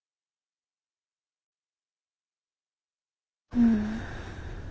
うん。